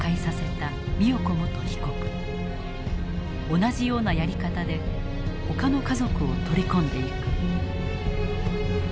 同じようなやり方でほかの家族を取り込んでいく。